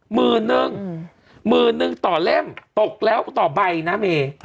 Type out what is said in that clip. หมื่นนึงหมื่นนึงต่อเล่มตกแล้วต่อใบนะเม